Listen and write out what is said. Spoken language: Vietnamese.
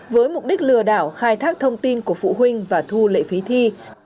với mục đích lừa đảo khai thác thông tin của phụ huynh và thu lệ phí thi